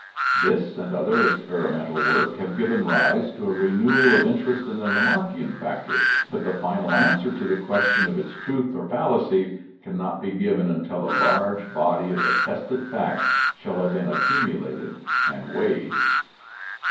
This and other experimental work have given rise to a renewal of interest in the Lamarckian factor, but the final answer to the question of its truth or fallacy can not be given until a large body of attested facts shall have been accumulated and weighed.